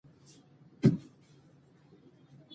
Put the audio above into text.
چې د ژوند په اړه د ښځو ناقص فکر